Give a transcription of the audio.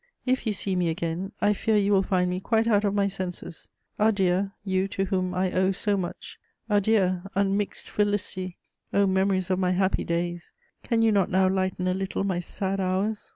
If you see me again, I fear you will find me quite out of my senses. Adieu, you to whom I owe so much! Adieu, unmixed felicity! O memories of my happy days, can you not now lighten a little my sad hours?